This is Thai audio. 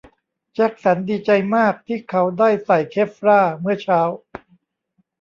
แจ็คสันดีใจมากที่เขาได้ใส่เคฟลาร์เมื่อเช้า